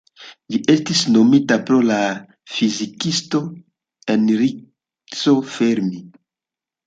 Ĝi estis nomita pro la fizikisto, Enrico Fermi.